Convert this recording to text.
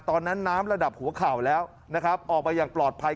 ตอนนั้นน้ำระดับหัวข่าวแล้วออกไปอย่างปลอดภัย